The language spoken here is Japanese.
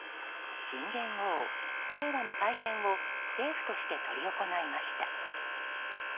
新元号、令和への改元を政府として執り行いました。